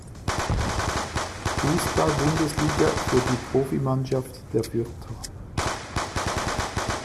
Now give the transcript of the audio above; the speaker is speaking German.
Fußball-Bundesliga für die Profi-Mannschaft der Fürther.